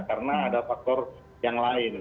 karena ada faktor yang lain